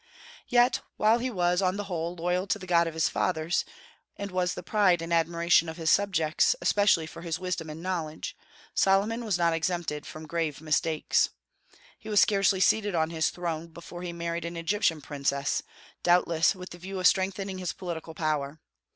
Yet while he was, on the whole, loyal to the God of his fathers, and was the pride and admiration of his subjects, especially for his wisdom and knowledge, Solomon was not exempted from grave mistakes. He was scarcely seated on his throne before he married an Egyptian princess, doubtless with the view of strengthening his political power.